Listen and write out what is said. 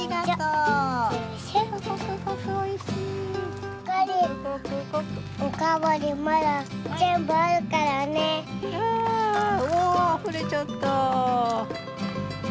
あおおあふれちゃった！